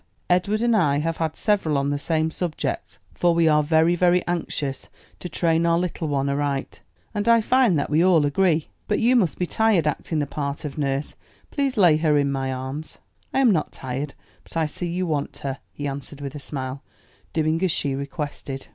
Edward and I have had several on the same subject (for we are very, very anxious to train our little one aright); and I find that we all agree. But you must be tired acting the part of nurse. Please lay her in my arms." "I am not tired, but I see you want her," he answered with a smile, doing as she requested.